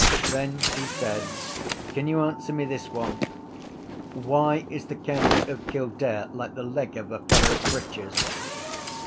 Then he said: —Can you answer me this one? Why is the county of Kildare like the leg of a fellow’s breeches?